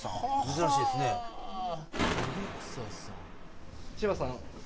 珍しいですねあっ